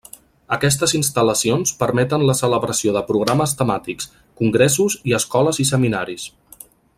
Aquestes instal·lacions permeten la celebració de programes temàtics, congressos i escoles i seminaris.